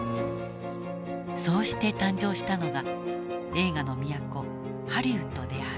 そうして誕生したのが映画の都ハリウッドである。